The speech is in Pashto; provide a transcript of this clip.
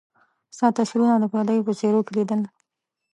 ستا تصويرونه د پرديو په څيرو کي ليدل